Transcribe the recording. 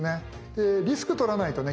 でリスクを取らないとね